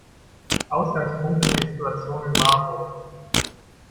Ausgangspunkt ist die Situation in Marburg.